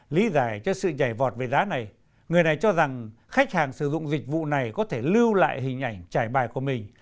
lý giải cho sự nhảy vọt về giá này người này cho rằng khách hàng sử dụng dịch vụ này có thể lưu lại hình ảnh trải bài của mình